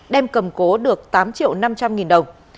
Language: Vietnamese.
đem cầm cố được tám triệu năm trăm linh nghìn đồng